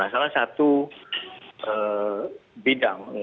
salah satu bidang